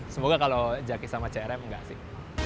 semoga kalau jaki sama crm enggak sih